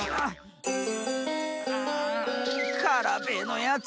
ああカラベーのやつ！